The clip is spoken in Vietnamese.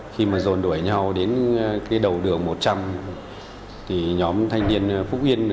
khi mà rồn đuổi nhau đến cái đầu đường một trăm linh thì nhóm thanh niên phúc yên